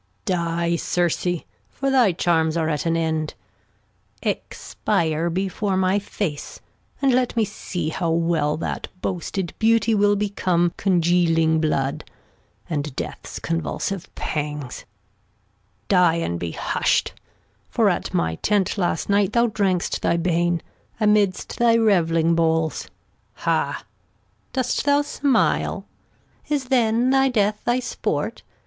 Die, Circe, for thy Charms are at an End, Expire before my Face, and let me see How well that boasted Beauty will become Congealing Blood, and Death's convulsive Pangs : Die and be husht, for at my Tent last Night Thou drank'st thy Bane, amidst thy rev'ling Bowls : Ha! Dost thou Smile ? Is then thy Death thy Sport